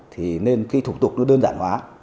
thì nên cái thủ tục nó đơn giản hóa